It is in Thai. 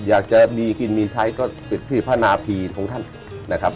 อยากจะมีกินมีใช้ก็ปิดที่พระนาพีของท่านนะครับ